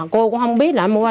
cô cũng không biết là mua